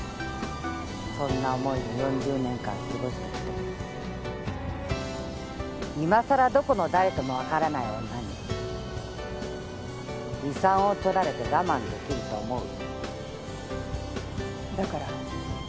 そんな思いで４０年間過ごしてきて今更どこの誰とも分からない女に遺産を取られて我慢できると思う？だから。